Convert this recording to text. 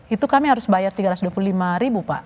itu kami harus bayar rp tiga ratus dua puluh lima ribu pak